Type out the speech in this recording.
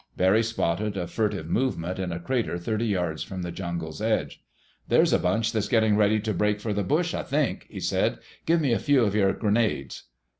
Barry spotted a furtive movement in a crater thirty yards from the jungle's edge. "There's a bunch that's getting ready to break for the bush, I think," he said. "Give me a few of your grenades."